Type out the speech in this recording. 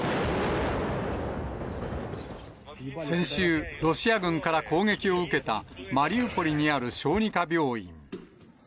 先週、ロシア軍から攻撃を受けたマリウポリにある小児科病院。